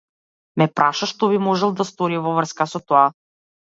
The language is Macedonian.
Ме праша што би можел да стори во врска со тоа.